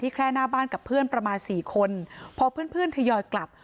แค่หน้าบ้านกับเพื่อนประมาณสี่คนพอเพื่อนเพื่อนทยอยกลับ